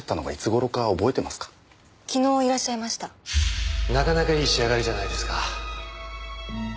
なかなかいい仕上がりじゃないですか。